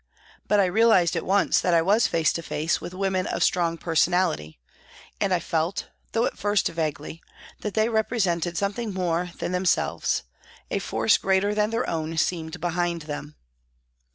But I realised at once that I was face to face with women of strong personality, and I felt, though at first vaguely, that they represented something more than them selves, a force greater than their own seemed behind them.